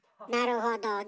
なるほど。